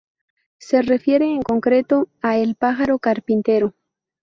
Se refiere en concreto a "El pájaro carpintero".